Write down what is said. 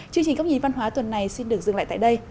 chương trình góc nhìn văn hóa tuần này xin được dừng lại tại đây